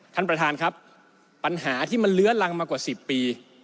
ท่านประธานครับปัญหาที่มันเลื้อรังมากว่า๑๐ปี